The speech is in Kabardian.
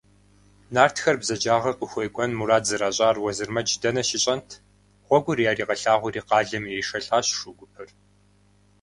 Нартхэр бзаджагъэ къыхуекӏуэн мурад зэращӏар Уэзырмэдж дэнэ щищӏэнт – гъуэгур яригъэлъагъури, къалэм иришэлӏащ шу гупыр.